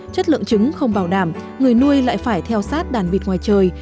chất lượng trứng không bảo đảm người nuôi lại phải theo sát đàn vịt ngoài trời